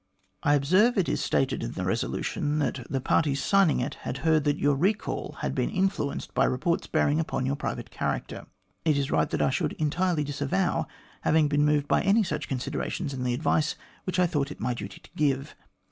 " I observe it is stated in the resolution that the parties signing it had heard that your recall had been influenced by reports bear ing upon your private character. It is right that I should entirely disavow having been moved by any such considerations in the advice which I thought it my duty to give.